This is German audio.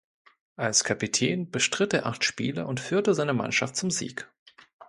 Als Kapitän bestritt er acht Spiele und führte seine Mannschaft zum Sieg.